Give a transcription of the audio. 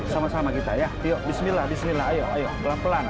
sama sama kita ya yuk bismillah bismillah ayo ayo pelan pelan